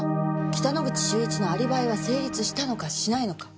北之口秀一のアリバイは成立したのかしないのか。